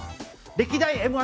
歴代「Ｍ−１」